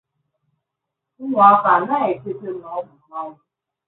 ụmụaka anaghị ekwete na ọ bụ mmanwụ.